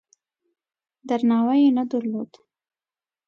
درناوی یې نه درلود.